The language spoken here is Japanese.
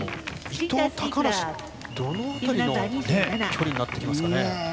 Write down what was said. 伊藤、高梨、どの辺りの距離になってきますかね。